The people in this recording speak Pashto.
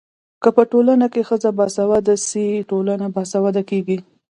که په ټولنه کي ښځه باسواده سي ټولنه باسواده کيږي.